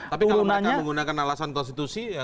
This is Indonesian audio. tapi kalau mereka menggunakan alasan konstitusi